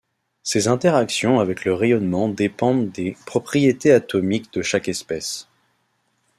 Ces interactions avec le rayonnement dépendent des propriétés atomiques de chaque espèce.